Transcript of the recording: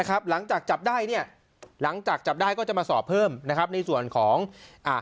หลังจากจับได้เนี่ยหลังจากจับได้ก็จะมาสอบเพิ่มนะครับในส่วนของอ่า